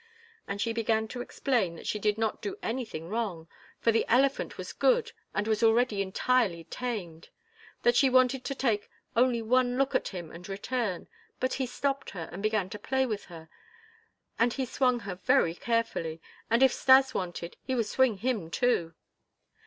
And she began to explain that she did not do anything wrong, for the elephant was good and was already entirely tamed; that she wanted to take only one look at him and return, but he stopped her and began to play with her, that he swung her very carefully, and if Stas wanted he would swing him also.